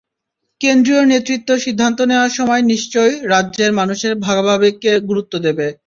কেন্দ্রীয় নেতৃত্ব সিদ্ধান্ত নেওয়ার সময় নিশ্চয় রাজ্যের মানুষের ভাবাবেগকে গুরুত্ব দেবে।